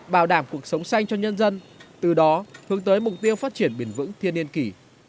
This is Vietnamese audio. bảo đảm cuộc sống xanh cho nhân dân từ đó hướng tới mục tiêu phát triển bền vững thiên niên kỷ